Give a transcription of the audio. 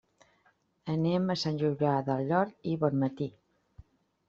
Anem a Sant Julià del Llor i Bonmatí.